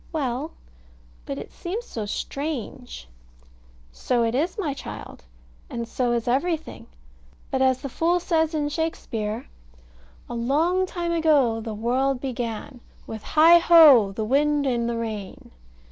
Well: but it seems so strange. So it is, my child; and so is everything. But, as the fool says in Shakespeare "A long time ago the world began, With heigh ho, the wind and the rain."